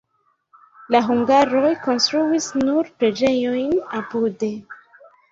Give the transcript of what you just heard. La hungaroj konstruis nur preĝejon apude.